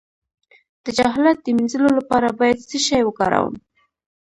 د جهالت د مینځلو لپاره باید څه شی وکاروم؟